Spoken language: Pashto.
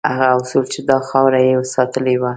هغه اصول چې دا خاوره یې ساتلې وه.